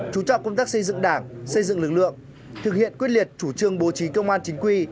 chú trọng công tác xây dựng đảng xây dựng lực lượng thực hiện quyết liệt chủ trương bố trí công an chính quy